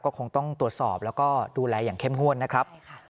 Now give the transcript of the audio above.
ก็คงต้องตรวจสอบแล้วก็ดูแลอย่างเข้มงวดนะครับ